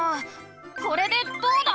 これでどうだ！